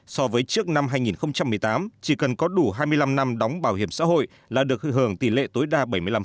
so với trước năm hai nghìn một mươi tám chỉ cần có đủ hai mươi năm năm đóng bảo hiểm xã hội là được hưởng tỷ lệ tối đa bảy mươi năm